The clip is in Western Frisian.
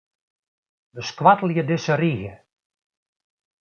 Beskoattelje dizze rige.